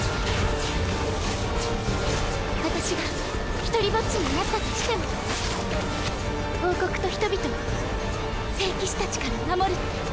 私が一人ぼっちになったとしても王国と人々を聖騎士たちから守るって。